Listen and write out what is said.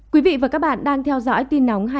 quý vị và các bạn đang theo dõi tin nóng hai mươi bốn